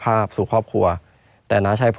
ไม่มีครับไม่มีครับ